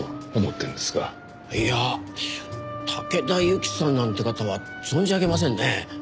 いや竹田ユキさんなんて方は存じ上げませんね。